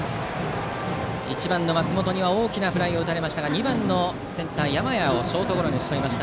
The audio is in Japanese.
１番の松本には大きなフライを打たれましたが２番のセンター、山家をショートゴロにしとめました。